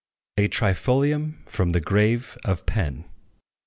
A TRIFOLIUM FROM THE GRAVE OF PENN.